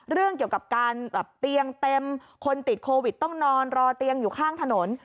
เรื่องเกี่ยวกับการแบบเตียงเต็มคนติดโควิดต้องนอนรอเตียงอยู่ข้างถนน